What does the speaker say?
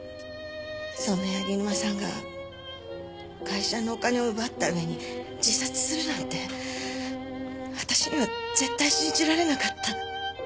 そんな柳沼さんが会社のお金を奪った上に自殺するなんて私には絶対信じられなかった。